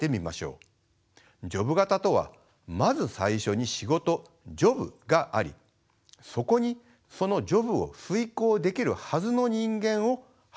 ジョブ型とはまず最初に仕事ジョブがありそこにそのジョブを遂行できるはずの人間をはめ込むものです。